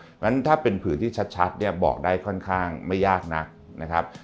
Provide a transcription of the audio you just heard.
เพราะฉะนั้นถ้าเป็นผืนที่ชัดเนี่ยบอกได้ค่อนข้างไม่ยากนักนะครับ